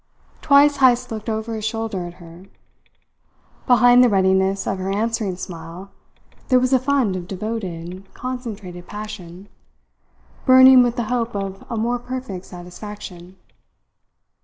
Twice Heyst looked over his shoulder at her. Behind the readiness of her answering smile there was a fund of devoted, concentrated passion, burning with the hope of a more perfect satisfaction.